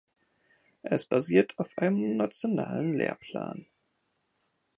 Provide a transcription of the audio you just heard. Es basiert auf einem nationalen Lehrplan.